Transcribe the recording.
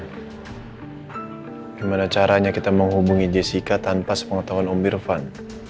bagaimana caranya kita menghubungi jessica tanpa sepengetahuan om irfan